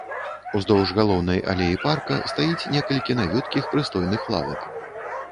Уздоўж галоўнай алеі парка стаіць некалькі навюткіх прыстойных лавак.